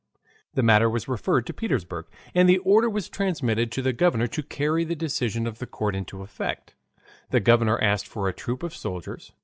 The matter was referred to Petersburg, and the order was transmitted to the governor to carry the decision of the court into effect. The governor asked for a troop of soldiers.